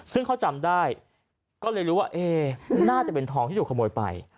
ซึ่งเขาจำได้ก็เลยรู้ว่าเอ๊น่าจะเป็นทองที่ถูกขโมยไป